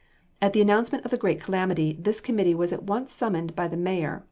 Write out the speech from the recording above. At the announcement of the great calamity, this committee was at once summoned by the mayor.